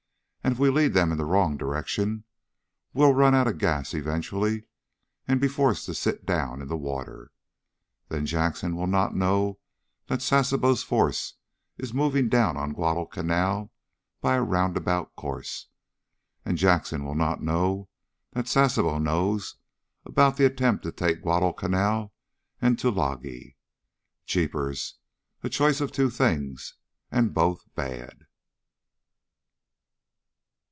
And if we lead them in the wrong direction, we'll run out of gas eventually, and be forced to sit down in the water. Then Jackson will not know that Sasebo's force is moving down on Guadalcanal by a roundabout course. And Jackson will not know that Sasebo knows about the attempt to take Guadalcanal and Tulagi. Jeepers! A choice of two things, and both bad!"